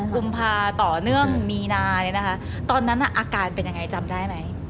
กุมภาต่อเนื่องมีนาเนี่ยนะคะตอนนั้นอาการเป็นยังไงจำได้ไหม